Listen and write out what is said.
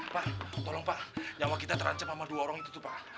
pak tolong pak nyawa kita terancam sama dua orang itu tuh pak